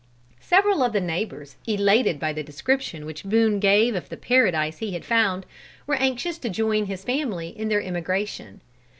Several of the neighbors, elated by the description which Boone gave of the paradise he had found, were anxious to join his family in their emigration.